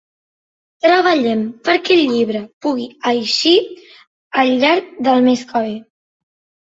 Treballem perquè el llibre puga eixir al llarg del mes que ve.